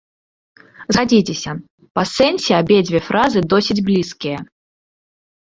Згадзіцеся, па сэнсе абедзве фразы досыць блізкія.